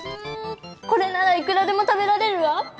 これならいくらでも食べられるわ！